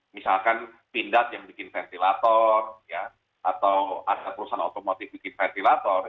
misalkan pindad yang bikin ventilator atau ada perusahaan otomotif bikin ventilator